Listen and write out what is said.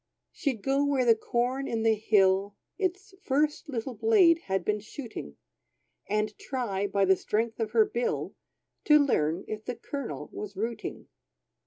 She'd go where the corn in the hill, Its first little blade had been shooting, And try, by the strength of her bill, To learn if the kernel was rooting.